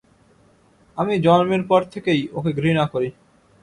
আমি জন্মের পর থেকেই ওকে ঘৃণা করি।